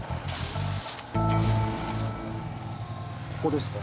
ここですか？